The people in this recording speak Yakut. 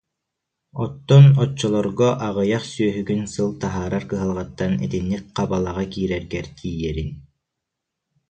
Оттон оччолорго аҕыйах сүөһүгүн сыл таһаарар кыһалҕаттан итинник хабалаҕа киирэргэр тиийэриҥ